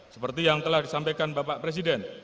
seperti yang telah disampaikan bapak presiden